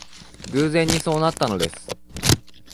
偶然にそうなったのです